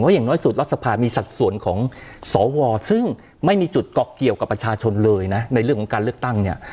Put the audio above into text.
อย่างน้อยสุดรัฐสภามีสัดส่วนของสวซึ่งไม่มีจุดเกาะเกี่ยวกับประชาชนเลยนะในเรื่องของการเลือกตั้งเนี่ย